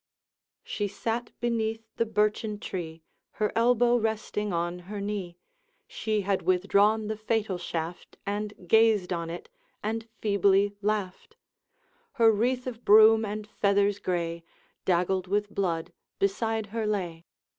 She sat beneath the birchen tree, Her elbow resting on her knee; She had withdrawn the fatal shaft, And gazed on it, and feebly laughed; Her wreath of broom and feathers gray, Daggled with blood, beside her lay.